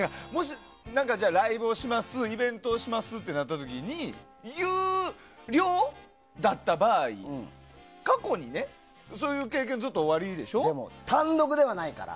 ライブをします、イベントをしますとなった時に言う有料だった場合過去にそういう経験おありでしょう。